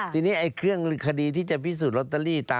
ทีนี้เครื่องคดีที่จะพิสูจนลอตเตอรี่